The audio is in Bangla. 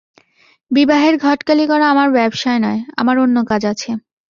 বিবাহের ঘটকালি করা আমার ব্যবসায় নয়, আমার অন্য কাজ আছে।